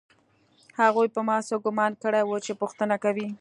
هغوی په ما څه ګومان کړی و چې پوښتنه کوي